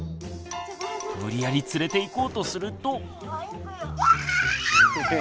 無理やり連れていこうとすると。